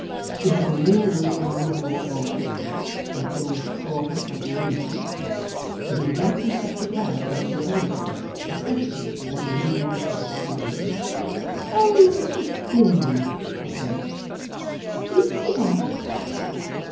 She had been leaning on the arm of Lord Baldock, and Phineas saw her cousin leave her. But he would not be such a coward as to avoid her, especially as he knew that she had seen him. "Oh, Mr. Finn!" she said, "do you see that?"